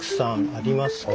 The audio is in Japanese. ありますね。